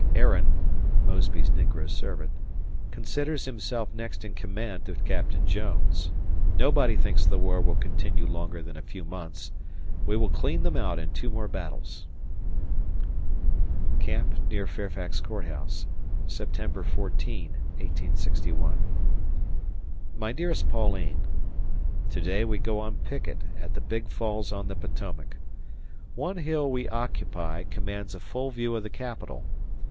Aaron [Mosby's negro servant] considers himself next in command to Captain Jones. ... Nobody thinks the war will continue longer than a few months. We will clean them out in two more battles. Camp near Fairfax Court House, September 14, 1861. My dearest Pauline: ... To day we go on picket at the Big Falls on the Potomac. One hill we occupy commands a full view of the Capitol.